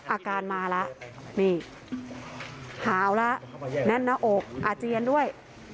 อาการมาแล้วนี่หาวแล้วแน่นหน้าอกอาเจียนด้วย